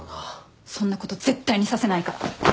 そんなこと絶対にさせないから。